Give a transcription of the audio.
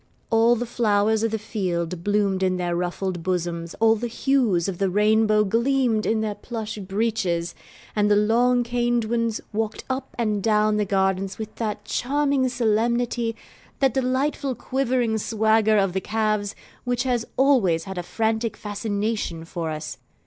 All the flowers of the field bloomed in their ruffled bosoms, all the hues of the rainbow gleamed in their plush breeches, and the long caned ones walked up and down the garden with that charming solemnity, that delightful quivering swagger of the calves, which has always had a frantic fascination for us.